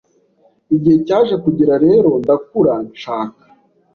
Igihe cyaje kugera rero ndakura nshaka